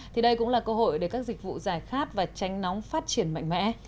thì đây cũng là cơ hội để các dịch vụ giải khát và tránh nóng phát triển mạnh mẽ